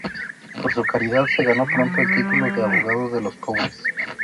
Por su caridad, se ganó pronto el título de "abogado de los pobres".